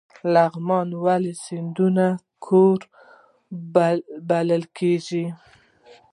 لغمان ولې د سیندونو کور بلل کیږي؟